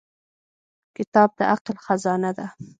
• کتاب د عقل خزانه ده.